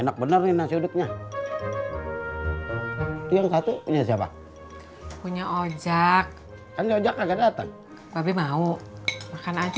enak bener ini sudutnya yang satu punya siapa punya ojak anjakan datang tapi mau makan aja